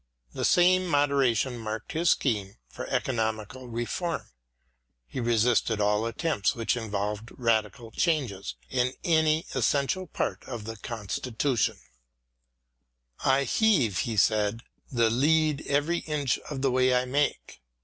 The same moderation marked his scheme for Economical Reform. He resisted all attempts which involved radical changes in any essential part of the Constitution^ " I heave," he said, " the lead every inch of the way I make."